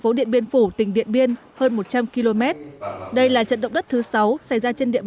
phố điện biên phủ tỉnh điện biên hơn một trăm linh km đây là trận động đất thứ sáu xảy ra trên địa